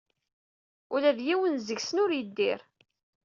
Ula d yiwen seg-sen ur yeddir.